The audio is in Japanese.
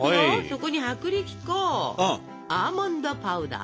そこに薄力粉アーモンドパウダー。